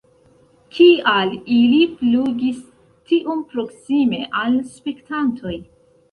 Kial ili flugis tiom proksime al spektantoj?